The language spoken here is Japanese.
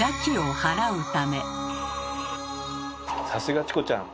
さすがチコちゃん！